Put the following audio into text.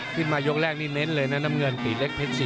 ขึ้นมายกแรกนี้เน้นเลยนะน้ำเงินตีเล็กเพชร๔๐๐๐๐